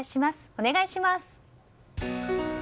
お願いします。